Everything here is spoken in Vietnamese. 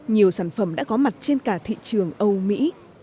nhiều sản phẩm đã có mặt trên cả thị trường âu mỹ